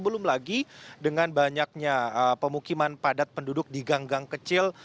belum lagi dengan banyaknya pemukiman padat penduduk di gang gang kecil